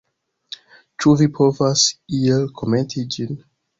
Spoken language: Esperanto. Ĉu vi povas iel komenti ĝin?